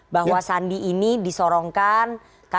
bahwa sandi ini disorongkan